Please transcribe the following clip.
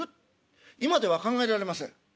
今では考えられませんええ。